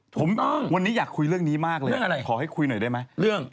ผมวันนี้อยากคุยเรื่องนี้มากเลยขอให้คุยหน่อยได้ไหม